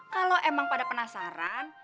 kalo emang pada penasaran